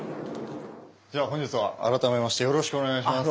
本日は改めましてよろしくお願いします。